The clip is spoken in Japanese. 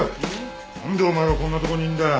なんでお前がこんなとこにいるんだよ？